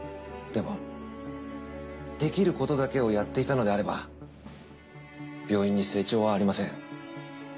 でもできることだけをやっていたのであれば病院に成長はありません。